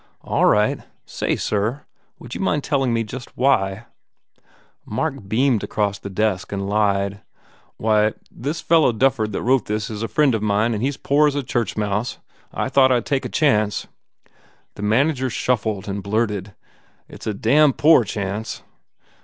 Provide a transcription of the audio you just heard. "All right. Say, sir, would you mind telling me just why " Mark beamed across the desk and lied, "Why, this fellow Dufford that wrote this is a friend of mine and he s poor as a churchmouse. I thought I d take a chance." The manager shuffled and blurted, "It s a damn poor chance."